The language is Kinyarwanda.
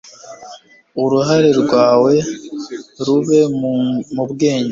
uruhare rwawe rube mu bwenge